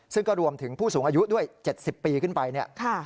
ซึ่งก็รวมถึงผู้สูงอายุด้วย๗๐ปีขึ้นไปเนี่ย